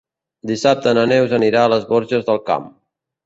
Dissabte na Neus anirà a les Borges del Camp.